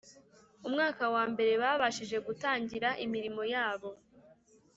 umwaka wa mbere babashije kutangira imirimo yabo